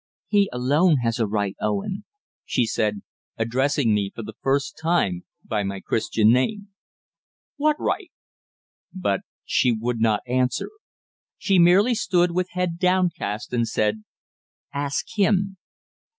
"He alone has a right, Owen," she said, addressing me for the first time by my Christian name. "What right?" But she would not answer. She merely stood with head downcast, and said "Ask him."